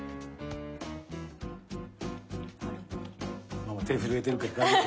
ママ手震えてるけど大丈夫？